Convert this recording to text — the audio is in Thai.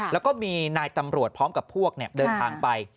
แล้วก็มีนายตำรวจพร้อมกับพวกเดินทางไป